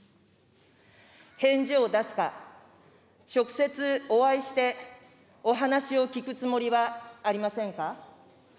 返事を出すか、直接お会いして、お話を聞くつもりはありませんか。